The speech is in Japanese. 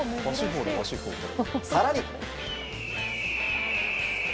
更に。